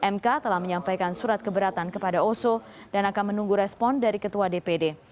mk telah menyampaikan surat keberatan kepada oso dan akan menunggu respon dari ketua dpd